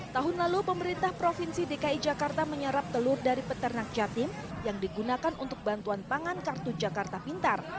tahun lalu pemerintah provinsi dki jakarta menyerap telur dari peternak jatim yang digunakan untuk bantuan pangan kartu jakarta pintar